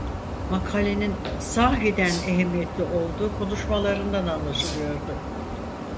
Makalenin sahiden ehemmiyetli olduğu konuşmalarından anlaşılıyordu.